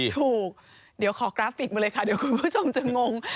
ถูกเดี๋ยวขอกราฟิกมาเลยค่ะเดี๋ยวคุณผู้ชมจะงง